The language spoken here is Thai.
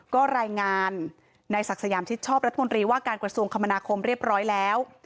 ก็รายงานในศักดิ์สยามชิดชอบรัฐมนตรีว่าการกระทรวงคมนาคมเรียบร้อยแล้ว